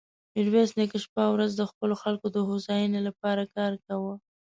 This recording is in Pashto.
ميرويس نيکه شپه او ورځ د خپلو خلکو د هوساينې له پاره کار کاوه.